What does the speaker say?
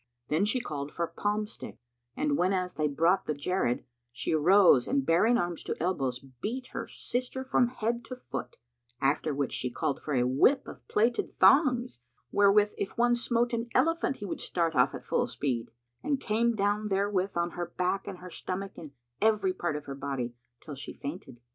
Then she called for a palm stick and, whenas they brought the Jaríd, she arose and baring arms to elbows, beat her sister from head to foot; after which she called for a whip of plaited thongs, wherewith if one smote an elephant, he would start off at full speed, and came down therewith on her back and her stomach and every part of her body, till she fainted.